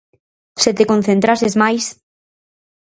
Se te concentrases máis.